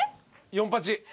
４８。